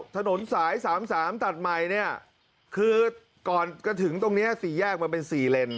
ถนนสาย๓๓ตัดใหม่เนี่ยคือก่อนจะถึงตรงนี้สี่แยกมันเป็น๔เลน